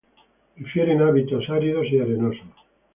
Prefieren hábitats áridos y arenosos.